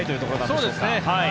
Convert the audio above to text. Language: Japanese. そうですね。